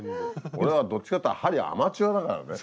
俺はどっちかっていうと針アマチュアだからね。